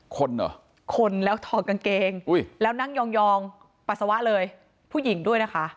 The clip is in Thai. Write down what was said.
คนเหรอคนแล้วถอดกางเกงแล้วนั่งยองปัสสาวะเลยผู้หญิงด้วยนะคะ